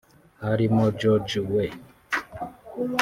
harimo George W